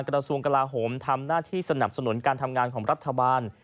กระทรวงกลาโหมทำหน้าที่สนับสนุนการทำงานของรัฐบาล